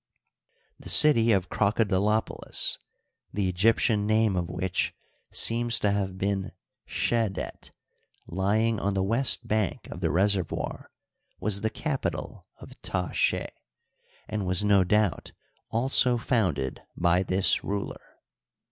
The city of Crocodilopolis, the Egyptian name of which seems to have been Skedet, lying on the west bank of the reservoir, was the capital of Ta ske, and was no doubt also founded by this ruler.